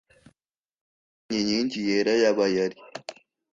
yashenye inkingi yera ya bayali